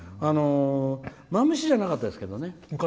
マムシじゃなかったですけどね。